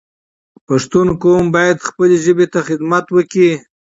پښتون قوم باید خپله ژبه ته خدمت وکړی